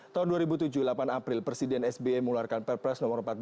tahun dua ribu tujuh delapan april presiden sbe mengeluarkan perpres nomor empat belas